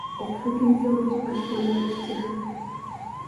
Okufukiriza obuccupa kikolebwa kitya?